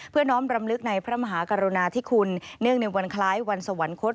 น้อมรำลึกในพระมหากรุณาธิคุณเนื่องในวันคล้ายวันสวรรคต